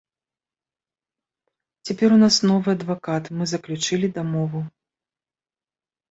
Цяпер у нас новы адвакат, мы заключылі дамову.